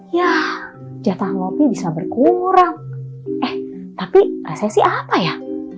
ya jatah ngopi bisa berkurang eh tapi resesi apa ya